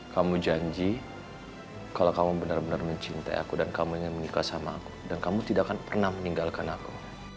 kamu janji kalau kamu benar benar mencintai aku dan kamunya menikah sama aku dan kamu tidak akan pernah meninggalkan aku